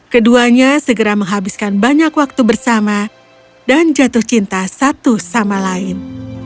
keduanya segera menghabiskan banyak waktu bersama dan jatuh cinta satu sama lain